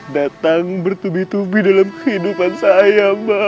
datang bertubi tubi dalam kehidupan saya mbak